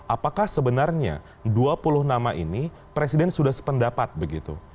apakah sebenarnya dua puluh nama ini presiden sudah sependapat begitu